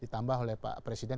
ditambah oleh pak presiden